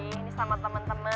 ini sama teman teman